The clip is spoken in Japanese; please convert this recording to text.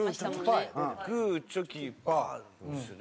グーチョキパーですよね？